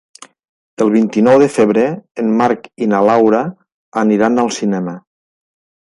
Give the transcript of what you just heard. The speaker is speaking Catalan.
El vint-i-nou de febrer en Marc i na Laura aniran al cinema.